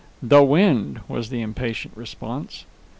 "The wind," was the impatient response.